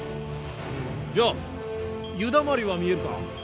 じゃあ湯だまりは見えるか？